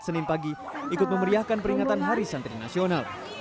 senin pagi ikut memeriahkan peringatan hari santri nasional